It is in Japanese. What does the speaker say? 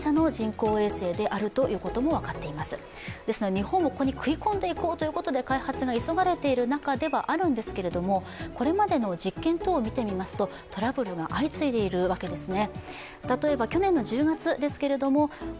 日本もここに食い込んでいこうということで開発が急がれている中ではあるんですけれども、これまでの実験等を見てみますと、トラブルが相次いでいるわけですね。